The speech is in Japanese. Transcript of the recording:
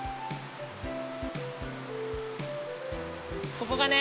ここがね